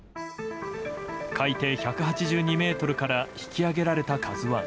海底１８２ｍから引き揚げられた「ＫＡＺＵ１」。